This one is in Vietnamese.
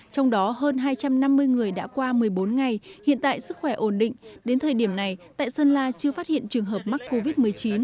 trong đó hơn hai trăm năm mươi người đã qua một mươi bốn ngày hiện tại sức khỏe ổn định đến thời điểm này tại sơn la chưa phát hiện trường hợp mắc covid một mươi chín